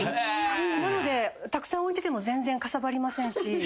なのでたくさん置いてても全然かさばりませんし。